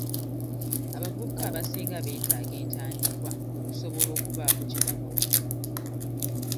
Abavubuka abasinga beetaaga entandikwa okusobola okubaako kye bakola.